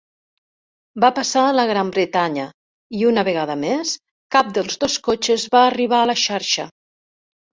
Va passar a la Gran Bretanya i, una vegada més, cap dels dos cotxes va arribar a la xarxa.